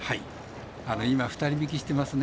今、二人引きしてますね。